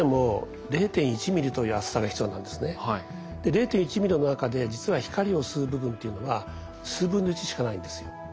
０．１ミリの中で実は光を吸う部分っていうのは数分の１しかないんですよ。